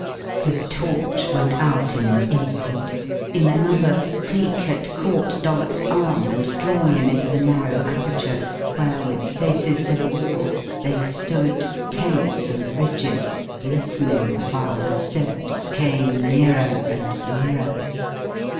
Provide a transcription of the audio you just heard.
The torch went out in an instant. In another, Cleek had caught Dollops's arm and drawn him into the narrow aperture, where, with faces to the wall, they stood tense and rigid, listening while the steps came nearer and nearer.